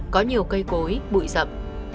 có nhiều cây cối bụi rậm